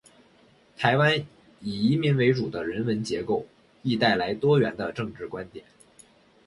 台湾以移民为主的人文结构，亦带来多元的政治观点。